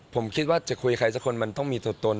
ผมคิดว่าจะคุยใครสักคนมันต้องมีตัวตน